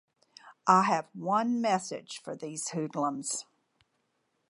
I have one message for these hoodlums.